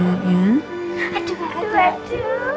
aduh aduh aduh